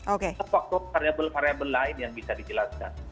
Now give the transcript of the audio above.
ada faktor variable variable lain yang bisa dijelaskan